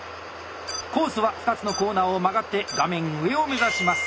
コースは２つのコーナーを曲がって画面上を目指します。